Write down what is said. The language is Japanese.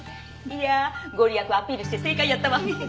いや御利益アピールして正解やったわ。